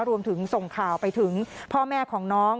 รวมถึงส่งข่าวไปถึงพ่อแม่ของน้อง